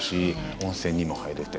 温泉にも入れて。